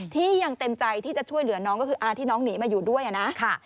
ที่ยังเต็มใจที่จะช่วยเหลือน้องก็คืออาที่น้องหนีมาอยู่ด้วยนะ